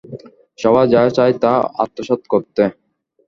সবাই যা চায় তা আত্মসাৎ করতে?